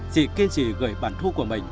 chị kiên trì gửi bản thu của mình